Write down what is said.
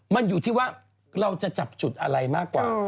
มันอยู่ที่ว่าเราจะจับจุดอะไรมากกว่า